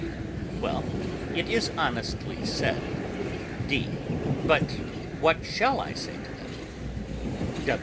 W. Well, it is honestly said. D. But what shall I say to them?